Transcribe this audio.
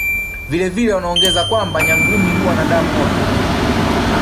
Vile vile wanaongeza kwamba Nyangumi huwa na damu motoY